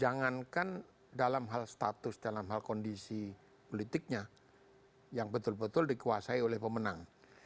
jangankan dalam hal status dalam hal kondisi politiknya yang betul betul dikuasai oleh pemenang